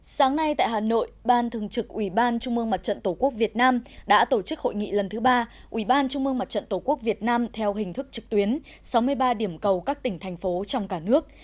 sáng nay tại hà nội ban thường trực ủy ban trung mương mặt trận tổ quốc việt nam đã tổ chức hội nghị lần thứ ba ủy ban trung mương mặt trận tổ quốc việt nam theo hình thức trực tuyến sáu mươi ba điểm cầu các tỉnh thành phố trong cả nước